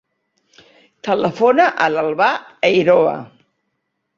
Telefona a l'Albà Eiroa.